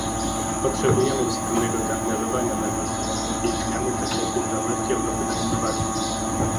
Potrzebujemy wspólnego zaangażowania na rzecz głębokiej zmiany w zakresie zdolności Europy do innowacji